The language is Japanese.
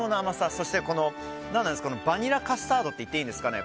そしてバニラカスタードと言っていいんですかね